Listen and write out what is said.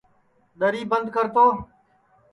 دری بند کر تو